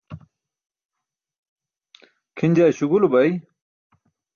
Kʰin jaa śugulu bay.